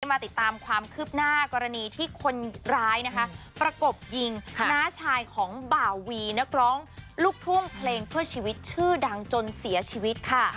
มาติดตามความคืบหน้ากรณีที่คนร้ายนะคะประกบยิงน้าชายของบ่าวีนักร้องลูกทุ่งเพลงเพื่อชีวิตชื่อดังจนเสียชีวิตค่ะ